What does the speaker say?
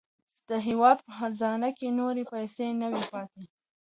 د هېواد په خزانې کې نورې پیسې نه وې پاتې.